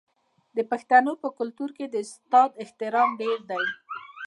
د پښتنو په کلتور کې د استاد احترام ډیر دی.